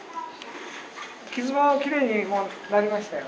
傷もきれいになりましたよ。